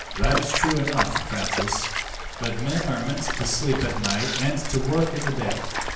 "That is true enough, Francis, but men are meant to sleep at night and to work in the day.